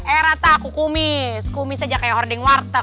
eh rata aku kumis kumis aja kayak hording warteg